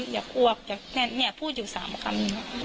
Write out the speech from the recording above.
อยากอ้วกอยากแน่นเนี่ยพูดอยู่๓คำนี้